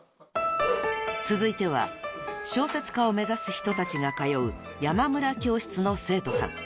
［続いては小説家を目指す人たちが通う山村教室の生徒さん］